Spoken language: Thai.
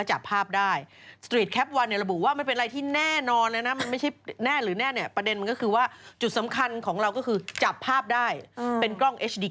จริงแปลกมากเลยนะมันทำให้มันเกิดอย่างอื่นด้วย